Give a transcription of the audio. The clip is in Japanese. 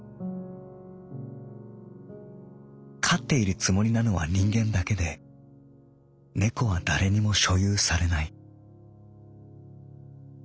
飼っているつもりなのは人間だけで猫は誰にも所有されない」。